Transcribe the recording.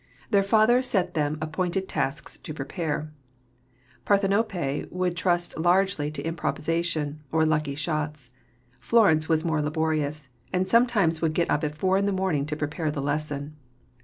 Their father set them appointed tasks to prepare. Parthenope would trust largely to improvisation or lucky shots. Florence was more laborious; and sometimes would get up at four in the morning to prepare the lesson.